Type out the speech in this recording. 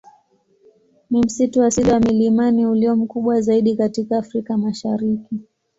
Ni msitu asili wa milimani ulio mkubwa zaidi katika Afrika Mashariki.